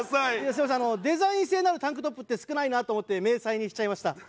すいませんあのデザイン性のあるタンクトップって少ないなと思って迷彩にしちゃいました。